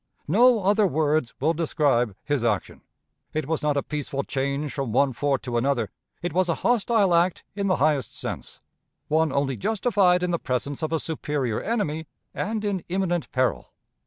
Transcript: No other words will describe his action. It was not a peaceful change from one fort to another; it was a hostile act in the highest sense one only justified in the presence of a superior enemy and in imminent peril.